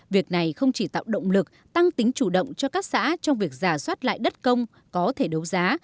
việc này không chỉ tạo động lực tăng tính chủ động cho các xã trong việc giả soát lại đất công có thể đấu giá